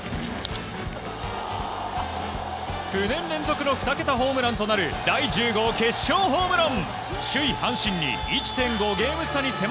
９年連続の２桁ホームランとなる第１０号決勝ホームラン。